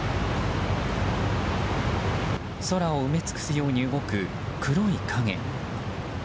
空を埋め尽くすように動く黒い影。